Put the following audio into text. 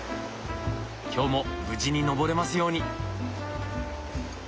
今日も無事に登れますように。